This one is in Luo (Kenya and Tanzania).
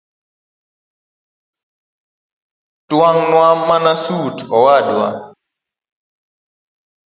Twang’na mana sut owadwa